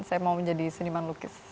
saya mau menjadi seniman lukis